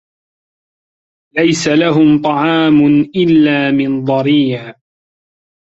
لَيسَ لَهُم طَعامٌ إِلّا مِن ضَريعٍ